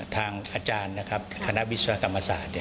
ทางอาจารย์นะครับคณะวิศวกรรมศาสตร์